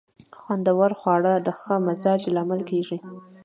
خوندور خواړه د ښه مزاج لامل ګرځي.